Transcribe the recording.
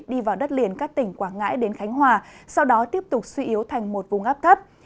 đi vào đất liền các tỉnh quảng ngãi đến khánh hòa sau đó tiếp tục suy yếu thành một vùng áp thấp